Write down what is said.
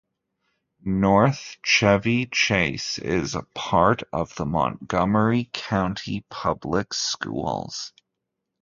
North Chevy Chase is a part of the Montgomery County Public Schools.